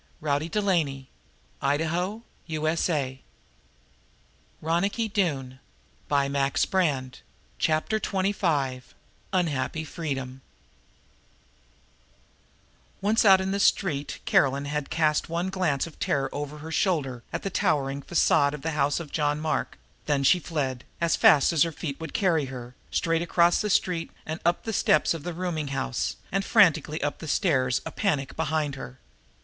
Ruth dropped to her knees and buried her face in her hands. Chapter Twenty five Unhappy Freedom Once out in the street Caroline had cast one glance of terror over her shoulder at the towering facade of the house of John Mark, then she fled, as fast as her feet would carry her, straight across the street and up the steps of the rooming house and frantically up the stairs, a panic behind her.